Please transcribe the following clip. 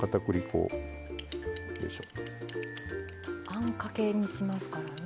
あんかけにしますからね。